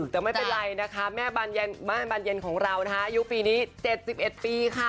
แต่ไม่เป็นไรนะคะแม่บานเย็นของเรานะคะอายุปีนี้๗๑ปีค่ะ